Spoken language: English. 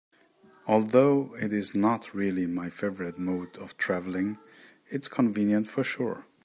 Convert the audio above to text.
Although it is not really my favorite mode of traveling, it's convenient for sure.